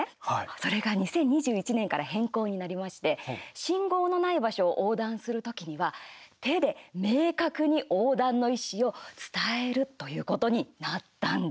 それが２０２１年から変更になりまして信号のない場所を横断する時には、手で明確に横断の意思を伝えるということになったんです。